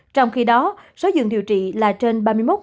trong khi đó số dường điều trị là trên ba mươi một